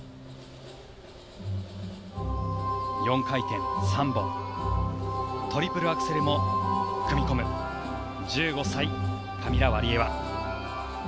４回転３本トリプルアクセルも組み込む１５歳、カミラ・ワリエワ。